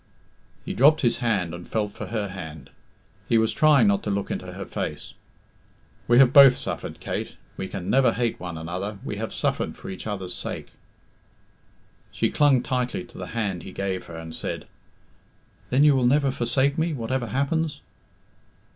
He dropped his hand and felt for her hand; he was trying not to look into her face. "We have both suffered, Kate. We can never hate one another we have suffered for each other's sake." She clung tightly to the hand he gave her, and said, "Then you will never forsake me, whatever happens?"